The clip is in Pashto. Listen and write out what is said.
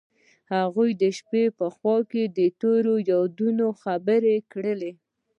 هغوی د شپه په خوا کې تیرو یادونو خبرې کړې.